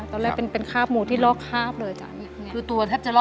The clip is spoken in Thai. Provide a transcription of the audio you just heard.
ตอนแรกเป็นคาบหมูที่ลอกคาบเลยจ้ะ